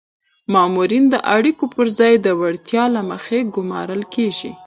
مامورین د اړیکو پر ځای د وړتیا له مخې ګمارل کیږي.